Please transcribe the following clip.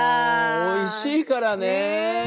おいしいからね。